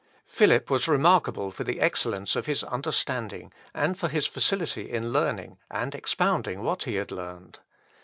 Philip was remarkable for the excellence of his understanding, and for his facility in learning, and expounding what he had learned.